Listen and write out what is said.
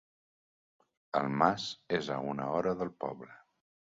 El mas és a una hora del poble.